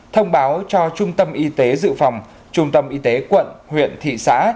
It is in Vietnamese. thông báo cho trung tâm y tế dự phòng trung tâm y tế quận huyện thị xã